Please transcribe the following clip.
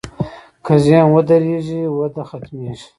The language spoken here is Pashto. که ذهن ودرېږي، وده ختمېږي.